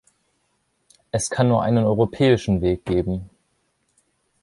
Es kann nur einen europäischen Weg geben.